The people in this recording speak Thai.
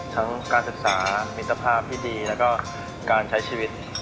การศึกษามิตรภาพที่ดีแล้วก็การใช้ชีวิต